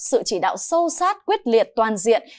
sự chỉ đạo sâu sát quyết liệt toàn diện